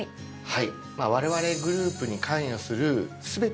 はい。